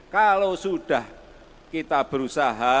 kalau sudah kita berusaha